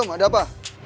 ya jom ada apa